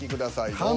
どうぞ。